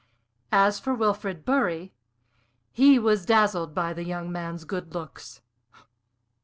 As for Wilfrid Bury, he was dazzled by the young man's good looks.